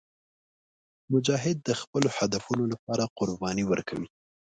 مجاهد د خپلو هدفونو لپاره قرباني ورکوي.